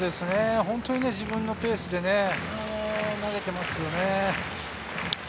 自分のペースで投げていますね。